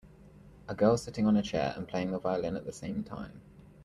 A girl sitting on a chair and playing the violin at the same time.